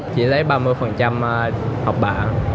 chỉ lấy ba mươi học bạ